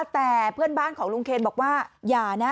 แต่เพื่อนบ้านของลุงเคนบอกว่าอย่านะ